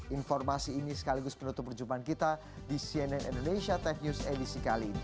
informasi ini sekaligus penutup perjumpaan kita di cnn indonesia tech news edisi kali ini